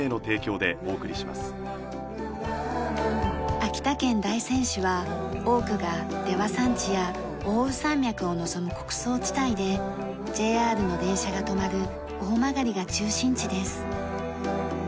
秋田県大仙市は多くが出羽山地や奥羽山脈を望む穀倉地帯でＪＲの電車が止まる大曲が中心地です。